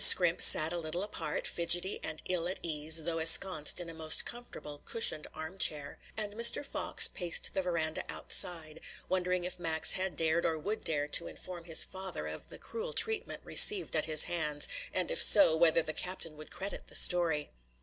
Scrimp sat a little apart, fidgety and ill at ease, though ensconced in a most comfortable, cushioned arm chair; and Mr. Fox paced the veranda outside, wondering if Max had dared or would dare to inform his father of the cruel treatment received at his hands, and if so, whether the captain would credit the story.